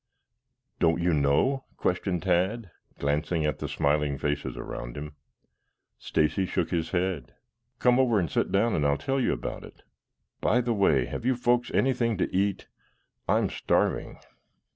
"Don't you know?" questioned Tad, glancing at the smiling faces around him. Stacy shook his head. "Come over and sit down, and I'll tell you about it. By the way, have you folks anything to eat? I'm starving."